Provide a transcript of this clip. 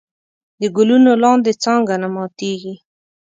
د ګلونو لاندې څانګه نه ماتېږي.